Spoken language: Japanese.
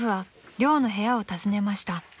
寮の部屋を訪ねました］